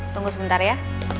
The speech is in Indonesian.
tunggu sebentar ya